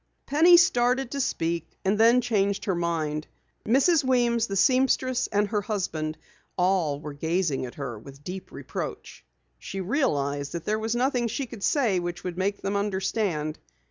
Penny started to speak and then changed her mind. Mrs. Weems, the seamstress and her husband, all were gazing at her with deep reproach. She realized that there was nothing she could say which would make them understand.